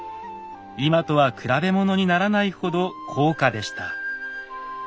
今とは比べものにならないほど高価でした。